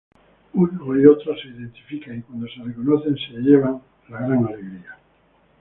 Unos y otros se identifican y cuando se reconocen se llevan la gran alegría.